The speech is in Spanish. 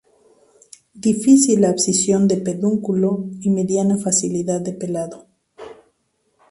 Difícil abscisión de pedúnculo y mediana facilidad de pelado.